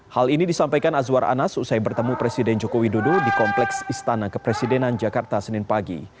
hal ini disampaikan azwar anas usai bertemu presiden joko widodo di kompleks istana kepresidenan jakarta senin pagi